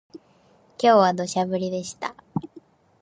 今日は土砂降りでした